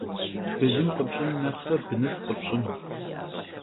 Bılım khıpş'ın nexhre bınıf' khıpş'ın.